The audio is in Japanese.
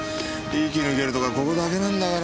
息抜けるとこはここだけなんだから。